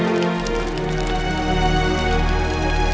dewa kasar setan merestanuk ayam